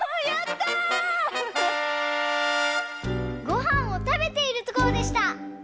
ごはんをたべているところでした。